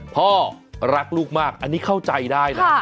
พ่อรักลูกมากอันนี้เข้าใจได้นะ